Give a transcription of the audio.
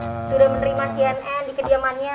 sudah menerima cnn di kediamannya